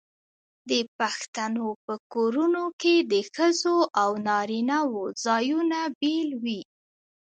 د پښتنو په کورونو کې د ښځو او نارینه وو ځایونه بیل وي.